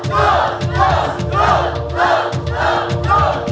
สู้หยุด